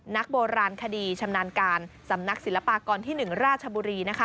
นักโบราณคดีชำนาญการสำนักศิลปากรที่๑ราชบุรี